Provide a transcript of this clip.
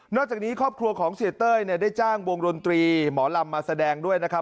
จากนี้ครอบครัวของเสียเต้ยได้จ้างวงดนตรีหมอลำมาแสดงด้วยนะครับ